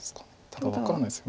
ただ分からないです